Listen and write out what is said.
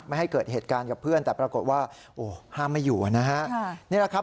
ให้เกิดเหตุการณ์กับเพื่อนแต่ปรากฏว่าโอ้ห้ามไม่อยู่นะฮะนี่แหละครับ